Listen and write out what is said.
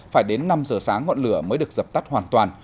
phải đến năm giờ sáng ngọn lửa mới được dập tắt hoàn toàn